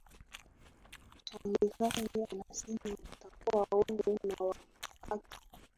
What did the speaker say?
shangirai anasema utakuwa huru na wa haki